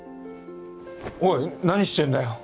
おい何してんだよ？